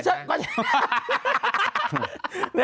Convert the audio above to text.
บัคโฟวุฒาไปครับมั้ยนะ